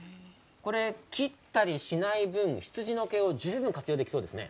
切ったりしない分羊の毛を十分活用できそうですね。